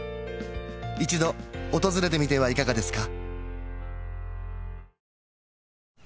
一度訪れてみてはいかがですか？